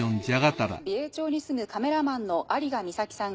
美瑛町に住むカメラマンの有賀美咲さん